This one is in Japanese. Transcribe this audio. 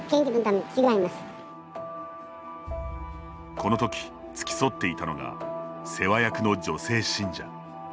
この時、付き添っていたのが世話役の女性信者。